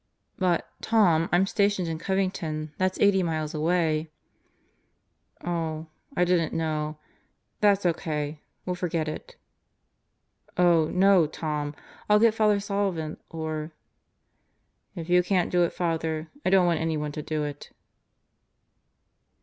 "But, Tom, I'm stationed in Covington. That's eighty miles away." "Oh, I didn't know. That's O.K. We'll forget it." "Oh, no, Tom, I'll get Father Sullivan or ..." "If you can't do it, Father, I don't want anyone to do it."